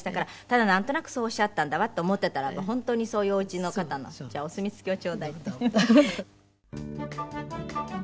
ただなんとなくそうおっしゃったんだわと思っていたらば本当にそういうおうちの方の。じゃあお墨付きを頂戴。